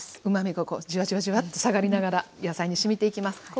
うまみがこうじわじわじわっと下がりながら野菜にしみていきます。